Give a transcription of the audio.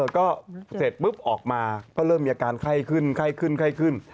ก็เสร็จปุ๊บออกมาก็เริ่มมีอาการไข้ขึ้น